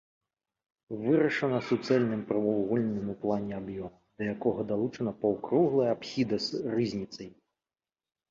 Вырашана суцэльным прамавугольным у плане аб'ёмам, да якога далучана паўкруглая апсіда з рызніцай.